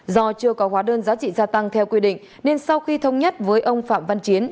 do chưa có hóa đơn giá trị gia tăng theo quy định nên sau khi thông nhất với ông phạm văn chiến